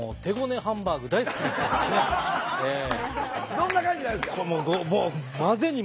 どんな感じなんですか？